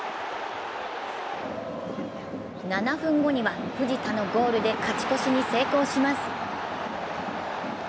７分後には藤田のゴールで勝ち越しに成功します。